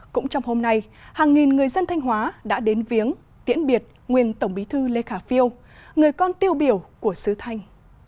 cũng trong hôm nay hàng nghìn người dân thanh hóa đã đến viếng tiễn biệt nguyên tổng bí thư lê khả phiêu người con tiêu biểu của sứ thanh